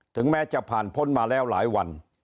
ถึงแม้จะผ่านพ้นมาแล้วหลายวัน